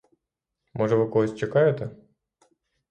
Може, ви когось чекаєте?